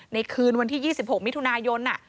คืนวันที่๒๖มิถุนายน